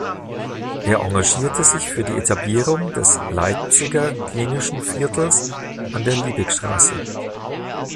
Er engagierte sich für die Etablierung des „Leipziger Klinischen Viertels“ an der Liebigstraße.